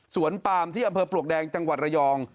ปามที่อำเภอปลวกแดงจังหวัดระยอง